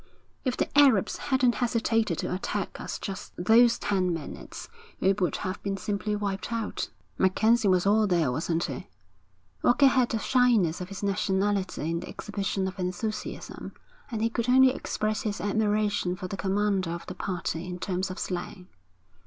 'If the Arabs hadn't hesitated to attack us just those ten minutes, we would have been simply wiped out.' 'MacKenzie was all there, wasn't he?' Walker had the shyness of his nationality in the exhibition of enthusiasm, and he could only express his admiration for the commander of the party in terms of slang.